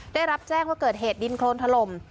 ได้รับแจ้งว่าเกิดเหตุดินโครนถล่ม